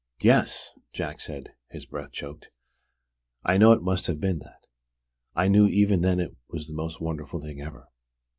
"Yes!" Jack said, his breath choked. "I know it must have been that. I knew even then it was the most wonderful thing ever!"